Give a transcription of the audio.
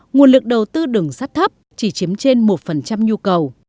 nguồn lực đầu tư đường sắt thấp chỉ chiếm trên một nhu cầu